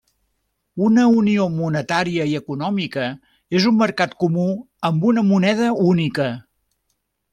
Una unió monetària i econòmica és un mercat comú amb una moneda única.